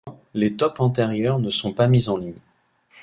Toutefois, les tops antérieurs ne sont pas mis en ligne.